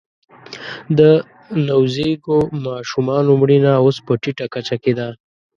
د نوزیږو ماشومانو مړینه اوس په ټیټه کچه کې ده